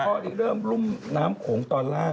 ก็เริ่มรุ่นน้ำโขงตอนล่าง